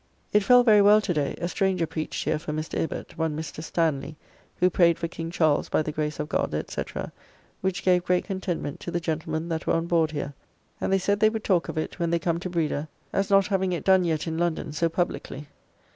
It fell very well to day, a stranger preached here for Mr. Ibbot, one Mr. Stanley, who prayed for King Charles, by the Grace of God, &c., which gave great contentment to the gentlemen that were on board here, and they said they would talk of it, when they come to Breda, as not having it done yet in London so publickly.